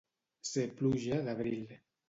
Ser pluja d'abril.